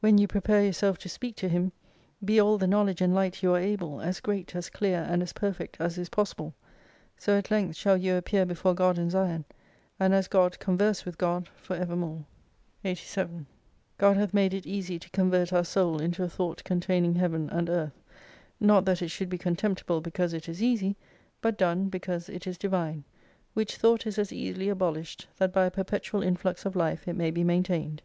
When you prepare yourself to speak to Him, be all the know ledge and light you are able, as great, as clear, and as perfect as is possible. So at length shall you appear before God in Sion : and as God converse with God for evermore. 87 God hath made it easy to convert our soul into a Thought containing Heaven und Earth, not that it should be contemptible because it is easy : but done because it is Divine. "Which Thought is as easily abolished, that by a perpetual influx of life it may be maintained.